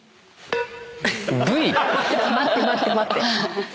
ブイ⁉待って待って待って。